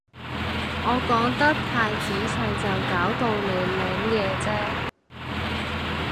我講得太仔細就搞到你領嘢咋